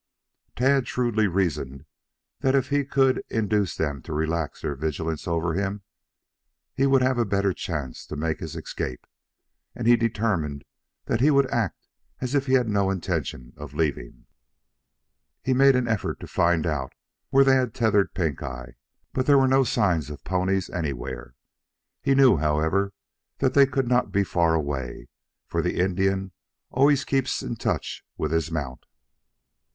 Tad shrewdly reasoned that if he could induce them to relax their vigilance over him, he would have a better chance to make his escape, and he determined that he would act as if he had no intention of leaving. He made an effort to find out where they had tethered Pink eye, but there were no signs of ponies anywhere. He knew, however, that they could not be far away, for the Indian always keeps in touch with his mount.